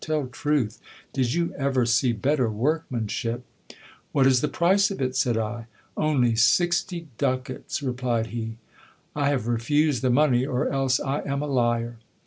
tell truth : did you ever see better workmanship ? What is the price of it ? said I. Only sixty ducats, replied he. I have refused the money, or else I am a liar.